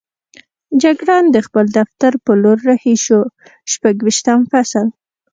جګړن د خپل دفتر په لور رهي شو، شپږویشتم فصل.